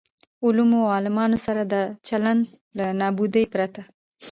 علومو او عالمانو سره دا چلن له نابودۍ پرته.